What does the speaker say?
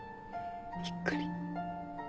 びっくり。